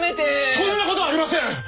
そんなことありません！